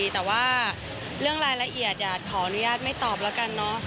แต่ว่าเรื่องรายละเอียดขออนุญาตไม่ตอบแล้วกันเนอะ